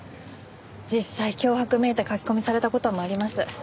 実際脅迫めいた書き込みされた事もあります。